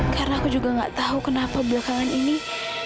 karena aku juga nggak tahu kenapa belakangan itu aku tak mungkin bisa menyusahkan dia